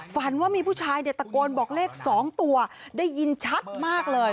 ฝันว่ามีผู้ชายเนี่ยตะโกนบอกเลข๒ตัวได้ยินชัดมากเลย